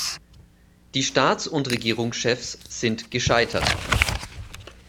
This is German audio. Die Staats- und Regierungschefs sind gescheitert.